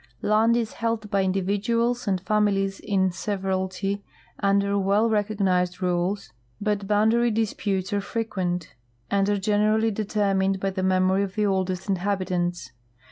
Land is held by individuals and families in severalty under well recog nized rules, but boundary disputes are frequent, and are gener ally determined by the memory of the oldest inliabitants.